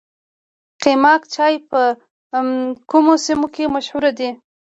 قیماق چای په کومو سیمو کې مشهور دی؟